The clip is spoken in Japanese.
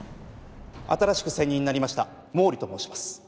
新しく専任になりました毛利と申します。